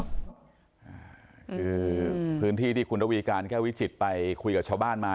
คือพื้นที่ที่คุณระวีการแก้ววิจิตรไปคุยกับชาวบ้านมา